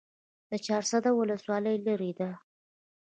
د چهارسده ولسوالۍ لیرې ده